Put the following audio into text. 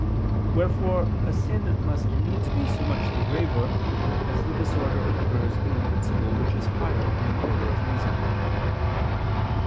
Wherefore a sin must needs be so much the graver, as the disorder occurs in a principle which is higher in the order of reason.